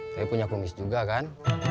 saya punya kumis juga kan